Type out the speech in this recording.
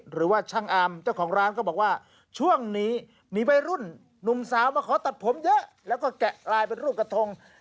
หนุ่มสาวมาขอตัดผมเยอะแล้วก็แกะลายเป็นรูปกระทง